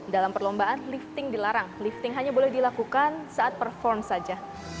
dalam perlombaan lifting dilarang lifting hanya boleh dilakukan saat perform saja